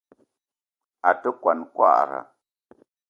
A te kwuan kwagra.